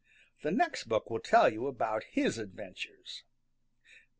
The next book will tell you all about his adventures.